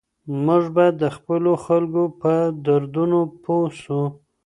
موږ باید د خپلو خلګو په دردونو پوه سو.